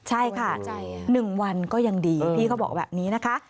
ใช่ค่ะ๑วันก็ยังดีพี่เขาบอกแบบนี้นะคะ